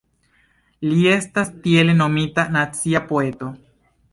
Li estas tiele nomita "nacia poeto".